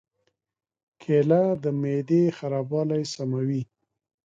کېله د معدې خرابوالی سموي.